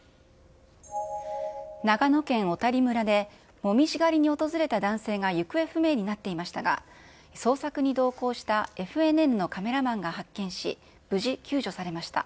長野県小谷村で、紅葉狩りに訪れた男性が行方不明になっていましたが、捜索に同行したＦＮＮのカメラマンが発見し、無事救助されました。